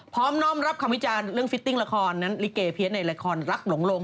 น้อมรับคำวิจารณ์เรื่องฟิตติ้งละครนั้นลิเกเพี้ยนในละครรักหลง